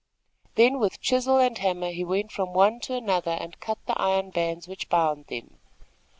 Then with chisel and hammer he went from one to another and cut the iron bands which bound them.